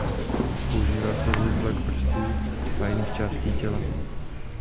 Používá se zde tlak prstů a jiných částí těla.